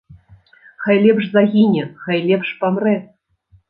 Хай лепш загіне, хай лепш памрэ.